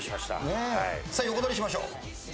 さあ横取りしましょう。